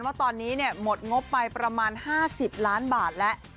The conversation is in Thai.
ว่าตอนนี้หมดงบไปประมาณ๕๐ล้านบาทแล้ว